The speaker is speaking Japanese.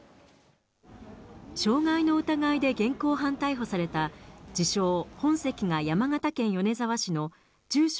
傷害の疑いで現行犯逮捕された自称、本籍が山形県米沢市の住所